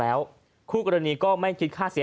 แล้วก็ขอโทษแล้ว